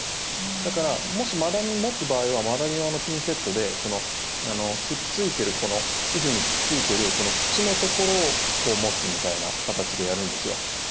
だから、もしマダニを持つ場合はマダニ用のピンセットで皮膚にくっついている口のところを持つみたいな形でやるんですよ。